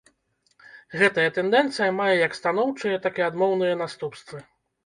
Гэтая тэндэнцыя мае як станоўчыя, так і адмоўныя наступствы.